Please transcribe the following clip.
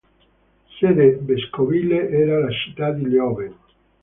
Sede vescovile era la città di Leoben.